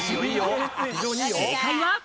正解は。